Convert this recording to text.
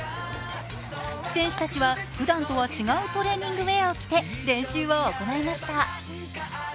選手たちはふだんとは違うトレーニングウェアを着て練習を行いました。